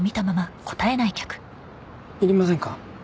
いりませんか？